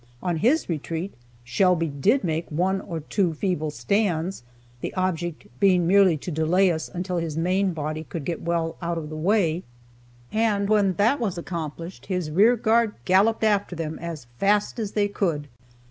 On his retreat, Shelby did make one or two feeble stands, the object being merely to delay us until his main body could get well out of the way, and when that was accomplished, his rear guard galloped after them as fast as they could.